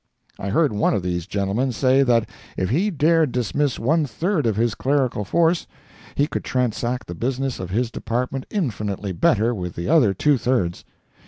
I heard one of these gentlemen say that if he dared dismiss one third of his clerical force, he could transact the business of his department infinitely better with the other two thirds.